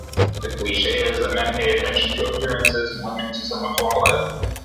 The cliche is that men pay attention to appearances and women to someone’s wallet.